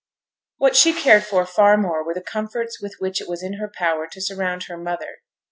What she cared for far more were the comforts with which it was in her power to surround her mother.